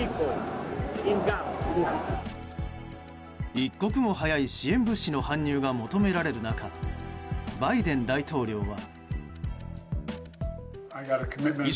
一刻も早い支援物資の搬入が求められる中バイデン大統領は。